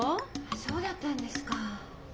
そうだったんですか。